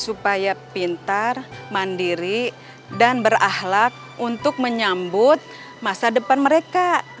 supaya pintar mandiri dan berahlak untuk menyambut masa depan mereka